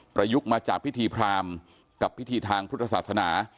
ยุคมาจากพิธีพรามกับพิธีทางพุทธศาสนา